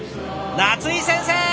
夏井先生！